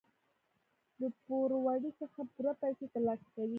د پوروړي څخه پوره پیسې تر لاسه کوي.